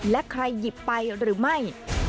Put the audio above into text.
และใครหยิบไปหรือไม่